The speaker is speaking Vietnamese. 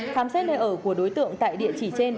khám xét nơi ở của đối tượng tại địa chỉ trên